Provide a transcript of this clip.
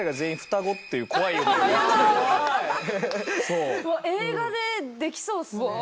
うわ映画でできそうっすね。